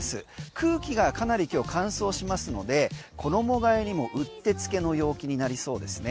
空気がかなり今日乾燥しますので衣替えにもうってつけの陽気になりそうですね。